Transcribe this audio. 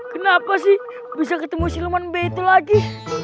kenapa sih bisa ketemu si leman b itu lagi